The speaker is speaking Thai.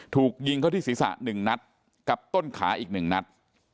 ถูกยิงเข้าที่ศีรษะ๑นัดกับต้นขาอีก๑นัด